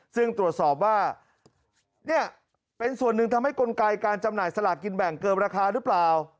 ซึ่งตรวจสอบว่าเนี่ยเป็นส่วนหนึ่งทำให้กลไกการจำหน่ายสลากกินแบ่งเกินราคาหรือเปล่า